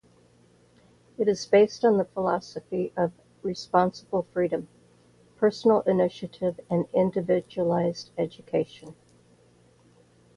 It is based on the philosophy of responsible freedom, personal initiative, and individualized education.